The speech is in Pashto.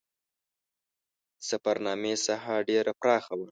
د سفرنامې ساحه ډېره پراخه وه.